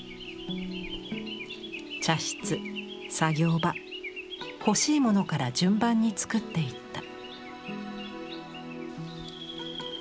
茶室作業場欲しいものから順番につくっていった。